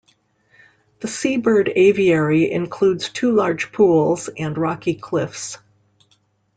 The seabird aviary includes two large pools and rocky cliffs.